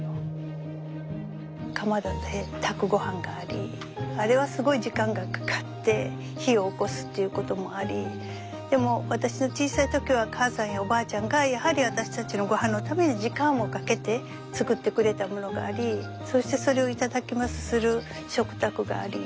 かまどで炊くごはんがありあれはすごい時間がかかって火をおこすということもありでも私の小さい時は母さんやおばあちゃんがやはり私たちのごはんのために時間をかけて作ってくれたものがありそしてそれを頂きますする食卓があり。